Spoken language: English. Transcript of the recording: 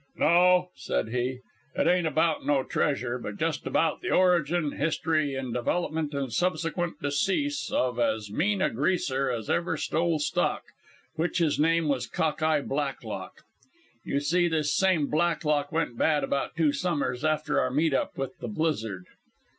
"No," said he, "it ain't about no treasure, but just about the origin, hist'ry and development and subsequent decease of as mean a Greaser as ever stole stock, which his name was Cock eye Blacklock. "You see, this same Blacklock went bad about two summers after our meet up with the blizzard.